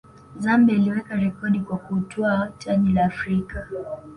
zambia iliweka rekodi kwa kutwaa taji la afrika